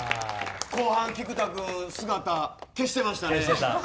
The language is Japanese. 後半、菊田君姿消してましたね。